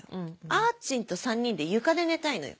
あーちんと３人で床で寝たいのよ。